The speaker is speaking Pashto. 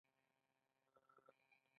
د زیار او زحمت پایله تل خوږه وي.